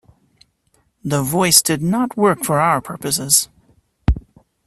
The voice did not work for our purposes.